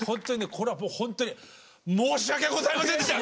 これはもうほんとに申し訳ございませんでした。